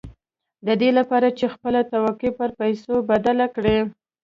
د دې لپاره چې خپله توقع پر پيسو بدله کړئ.